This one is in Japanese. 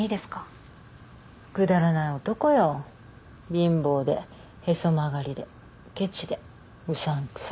貧乏でへそ曲がりでケチでうさんくさい。